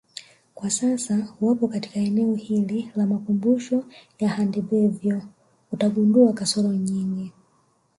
Kwa sasa uwapo katika eneo hili la makumbusho ya Handebevyo utagundua kasoro nyingi